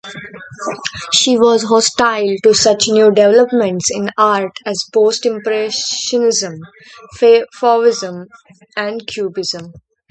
She was hostile to such new developments in art as post-Impressionism, Fauvism and Cubism.